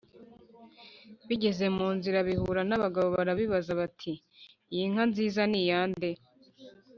bigeze mu nzira bihura n’abagabo barabibaza bati: ‘iyi nka nziza ni iyande?’